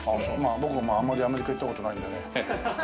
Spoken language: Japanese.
僕はあんまりアメリカ行った事ないんでね。